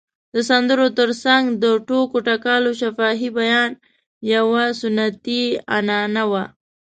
د سندرو تر څنګ د ټوکو ټکالو شفاهي بیان یوه سنتي عنعنه وه.